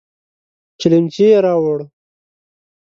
چلمچي يې راووړ.